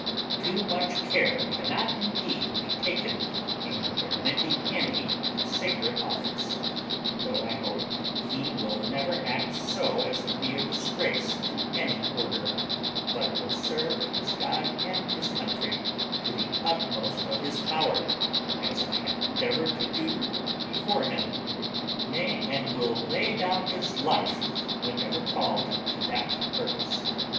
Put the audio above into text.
Too much care cannot indeed be taken in admitting any to the sacred office; though I hope he will never act so as to be a disgrace to any order, but will serve his God and his country to the utmost of his power, as I have endeavoured to do before him; nay, and will lay down his life whenever called to that purpose.